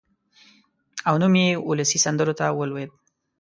او نوم یې اولسي سندرو ته ولوېد.